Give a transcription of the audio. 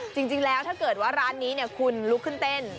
จริงแล้วถ้าเกิดว่าร้านนี้คุณลุกขึ้นเต้น